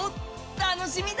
楽しみだ。